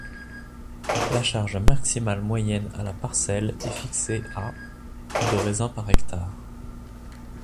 La charge maximale moyenne à la parcelle est fixée à de raisins par hectare.